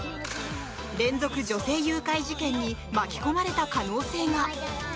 連続女性誘拐事件に巻き込まれた可能性が。